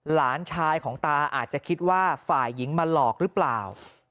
หลานชายของตาอาจจะคิดว่าฝ่ายหญิงมาหลอกหรือเปล่า